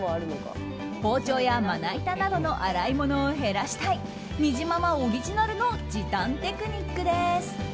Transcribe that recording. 包丁やまな板などの洗い物を減らしたいにじままオリジナルの時短テクニックです。